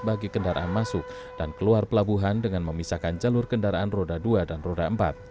bagi kendaraan masuk dan keluar pelabuhan dengan memisahkan jalur kendaraan roda dua dan roda empat